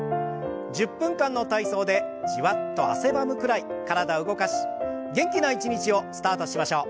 １０分間の体操でじわっと汗ばむくらい体を動かし元気な一日をスタートしましょう。